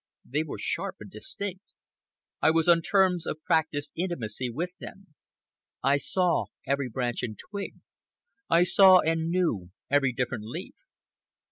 They were sharp and distinct. I was on terms of practised intimacy with them. I saw every branch and twig; I saw and knew every different leaf.